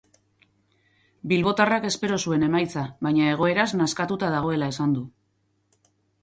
Bilbotarrak espero zuen emaitza, baina egoeraz nazkatuta dagoela esan du.